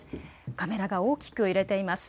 カメラが大きく揺れています。